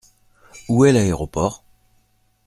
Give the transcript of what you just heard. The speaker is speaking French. Où est l’aéroport ?